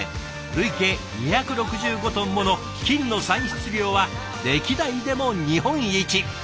累計２６５トンもの金の産出量は歴代でも日本一。